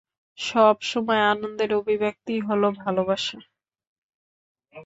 সব সময় আনন্দের অভিব্যক্তিই হল ভালবাসা।